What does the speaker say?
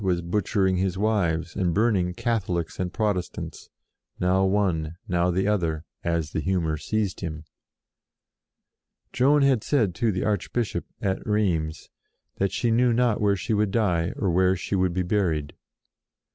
was butchering his wives and burning Catholics and Protestants, now one, now the other, as the humour seized him. Joan had said to the Archbishop, at Rheims, that she knew not where she would die, or where she would be buried.